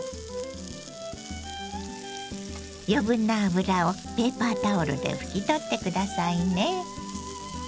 余分な油をペーパータオルで拭き取って下さいね。